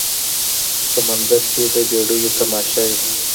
سمندر کې د بیړیو تماشا وي